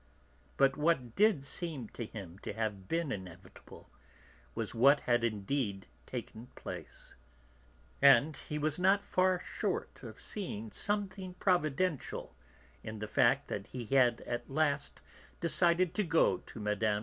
But what did seem to him to have been inevitable was what had indeed taken place, and he was not far short of seeing something providential in the fact that he had at last decided to go to Mme.